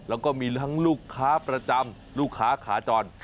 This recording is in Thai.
แล้วก็มีทั้งลูกค้าประจำลูกค้าขาจร